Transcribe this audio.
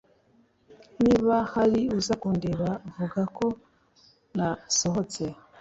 Niba hari uza kundeba vuga ko nasohotse